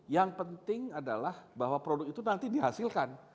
yang penting adalah bahwa produk itu nanti dihasilkan